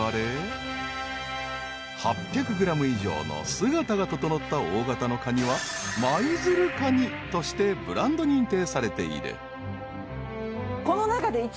［８００ｇ以上の姿が整った大型のカニは舞鶴かにとしてブランド認定されている］